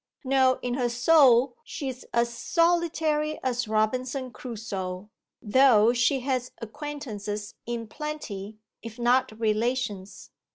No, in her soul she's as solitary as Robinson Crusoe, though she has acquaintances in plenty, if not relations.